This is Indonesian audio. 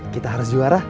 kita harus juara